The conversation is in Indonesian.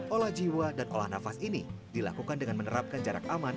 olah jiwa dan olah nafas ini dilakukan dengan menerapkan jarak aman